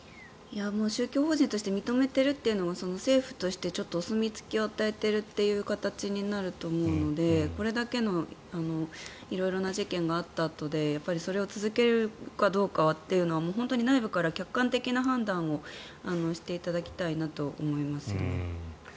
もう宗教法人として認めているというのが政府としてちょっとお墨付きを与えているという形になると思うのでこれだけの色々な事件があったあとでそれを続けるかどうかっていうのは、内部から客観的な判断をしていただきたいなと思いますよね。